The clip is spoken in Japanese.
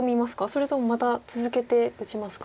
それともまた続けて打ちますか？